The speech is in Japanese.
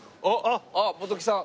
あっ元木さん。